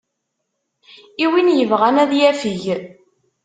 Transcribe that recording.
I win yebɣan ad yafeg.